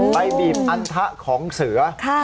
บีบอันทะของเสือ